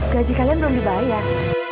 gaji kalian belum dibayar